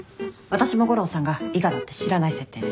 私も悟郎さんが伊賀だって知らない設定で。